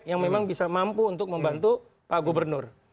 yang memang bisa mampu untuk membantu pak gubernur